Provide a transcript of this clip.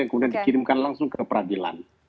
yang kemudian dikirimkan langsung ke peradilan